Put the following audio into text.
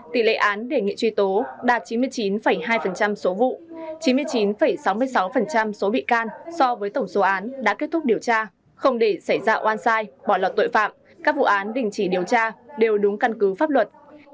tỷ lệ án đề nghị truy tố đạt chín mươi chín hai số vụ chín mươi chín sáu mươi sáu số bị can so với tổng số án đã kết thúc điều tra không để xảy ra oan sai bỏ lọt tội phạm các vụ án đình chỉ điều tra đều đúng căn cứ pháp luật